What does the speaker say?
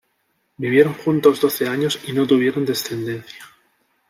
Vivieron juntos doce años y no tuvieron descendencia.